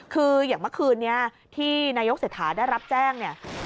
คืออย่างเมื่อคืนนี้ที่นายกเสถาได้รับแจ้ง